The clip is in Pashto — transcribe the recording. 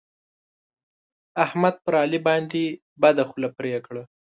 احمد پر علي باندې بده خوله پرې کړه.